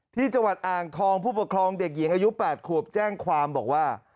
ที่จังหวัดอ่างทองผู้ปกครองเด็กหญิงอายุ๘ขวบแจ้งความบอกว่า